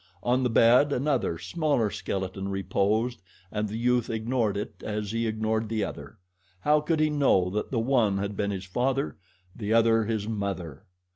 On the bed another, smaller, skeleton reposed and the youth ignored it as he ignored the other. How could he know that the one had been his father, the other his mother?